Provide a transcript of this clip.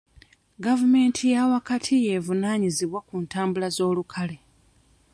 Gavumenti y'awakati y'evunaanyizibwa ku ntambula z'olukale.